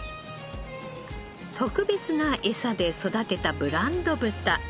特別なエサで育てたブランド豚